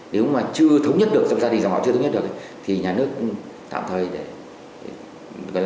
nếu mà chưa thống nhất được trong gia đình dòng họ chưa thống nhất được thì nhà nước tạm thời để chế độ đó và không giao cho ai cả